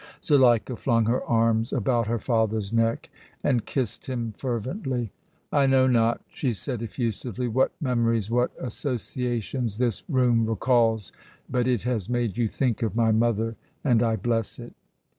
Zuleika flung her arms about her father's neck and kissed him fervently. "I know not," she said, effusively, "what memories, what associations, this room recalls, but it has made you think of my mother and I bless it!"